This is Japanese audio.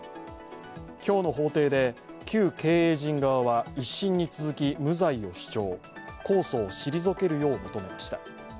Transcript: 今日の法定で旧経営陣側は１審に続き無罪を主張控訴を退けるよう求めました。